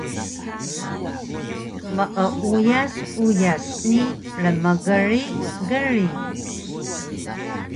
Meuyas uyas ni rmgrig grig